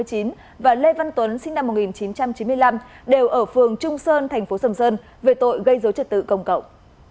tòa nhân dân tp sừng sơn đã mở phiên tòa xét xử các bị cáo lê cao đồng sinh năm một nghìn chín trăm chín mươi năm đều ở phường trung sơn tp sừng sơn về tội gây dấu trật tự công cộng